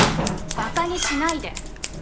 ばかにしないで。